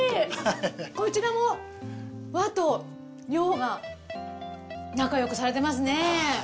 こちらも和と洋が仲よくされてますね。